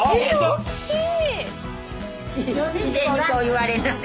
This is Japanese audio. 大きい！